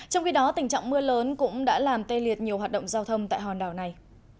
trong khi đó tình trạng mưa lớn cũng đã làm tê liệt nhiều hoạt động giao thông tại hòn đảo này